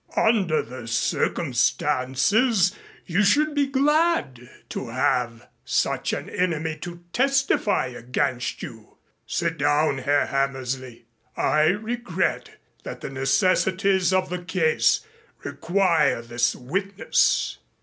"Under the circumstances you should be glad to have such an enemy to testify against you. Sit down, Herr Hammersley. I regret that the necessities of the case require this witness."